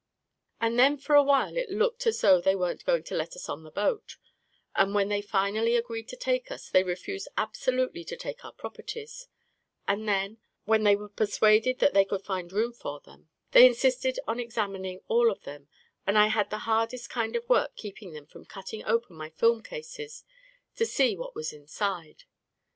And then for a while it looked as though they weren't going to let us on the boat ; and when they finally agreed to take us, they refused absolutely to take our properties; and then, when they were per suaded that they could find room for them, they in 54 A KING IN BABYLON stated on examining all of them, and I had the hardest kind of work keeping them from cutting open my film cases to see what was inside.